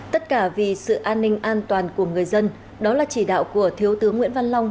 tất cả vì sự an ninh an toàn của người dân đó là chỉ đạo của thiếu tướng nguyễn văn long